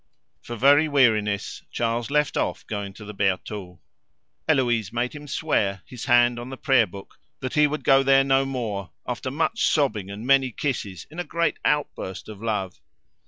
For very weariness Charles left off going to the Bertaux. Heloise made him swear, his hand on the prayer book, that he would go there no more after much sobbing and many kisses, in a great outburst of love.